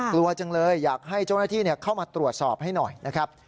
กลัวจังเลยอยากให้เจ้าหน้าที่เข้ามาตรวจสอบให้หน่อยนะครับ